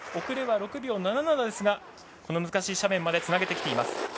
遅れは６秒７７ですが難しい斜面につなげてきています。